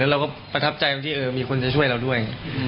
เราก็ประทับใจตรงที่มีคนจะช่วยเราด้วย